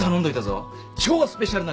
超スペシャルな牛肉だ。